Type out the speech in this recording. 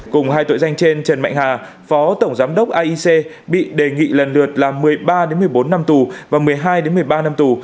cùng hai tội danh trên trần mạnh hà phó tổng giám đốc aic bị đề nghị lần lượt là một mươi ba một mươi bốn năm tù và một mươi hai một mươi ba năm tù